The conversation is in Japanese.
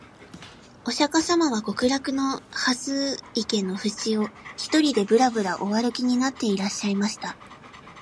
御釈迦様は極楽の蓮池のふちを、独りでぶらぶら御歩きになっていらっしゃいました